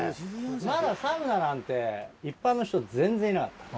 まだサウナなんて一般の人全然いなかった。